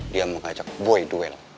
dia mau ngajak boy duel